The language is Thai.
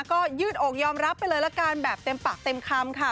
ก็ยืดอกยอมรับไปเลยละกันแบบเต็มปากเต็มคำค่ะ